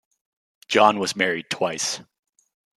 John was married twice.